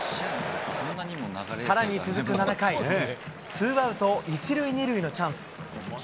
さらに続く７回、ツーアウト１塁２塁のチャンス。